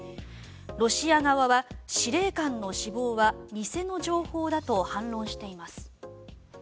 ロシア側は司令官の死亡は偽の情報だと反論しています。